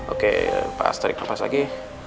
oke pas terik nafas lagi